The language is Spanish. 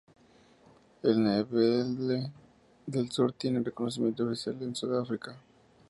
El ndebele del sur tiene reconocimiento oficial en Sudáfrica.